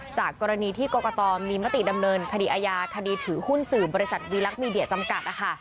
จากกรณีที่กรกตมีมติดำเนินคดีอาญาคดีถือหุ้นสื่อบริษัทวีลักษณ์มีเดียจำกัด